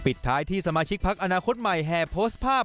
ท้ายที่สมาชิกพักอนาคตใหม่แห่โพสต์ภาพ